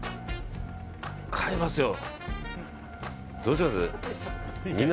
買えますよ。